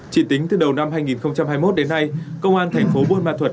chỉ tính từ đầu năm hai nghìn hai mươi một đến nay công an thành phố buôn ma thuật